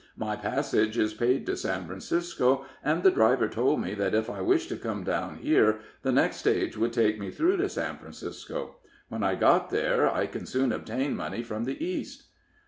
My passage is paid to San Francisco, and the driver told me that if I wished to come down here, the next stage would take me through to San Francisco. When I get there, I can soon obtain money from the East."